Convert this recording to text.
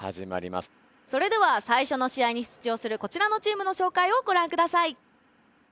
それではさいしょの試合に出場するこちらのチームのしょうかいをごらんください。